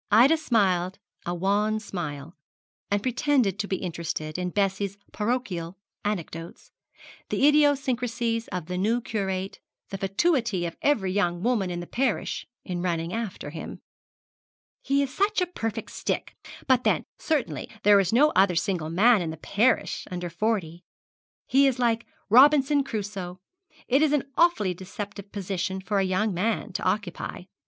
Ida smiled a wan smile, and pretended to be interested in Bessie's parochial anecdotes the idiosyncrasies of the new curate, the fatuity of every young woman in the parish in running after him. 'He is such a perfect stick; but then certainly there is no other single man in the parish under forty. He is like Robinson Crusoe. It is an awfully deceptive position for a young man to occupy.